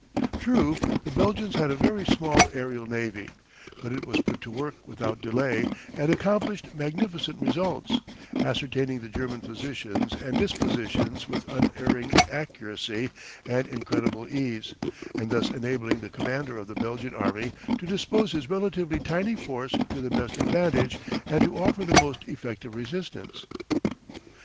True, the Belgians had a very small aerial navy, but it was put to work without delay and accomplished magnificent results, ascertaining the German positions and dispositions with unerring accuracy and incredible ease, and thus enabling the commander of the Belgian Army to dispose his relatively tiny force to the best advantage, and to offer the most effective resistance.